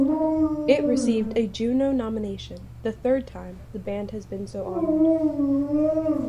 It received a Juno nomination; the third time the band has been so honoured.